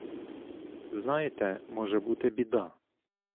Знаєте, може бути біда!